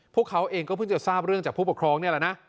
พวกเขาเองก็เพิ่งจะทราบเรื่องจากผู้ปกครองนี่แหละนะ